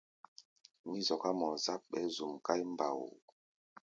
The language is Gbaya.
Mí zɔká mɔɔ-záp, ɓɛɛ́ zuʼm káí mbao.